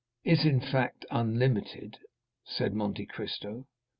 "Is, in fact, unlimited," said Monte Cristo.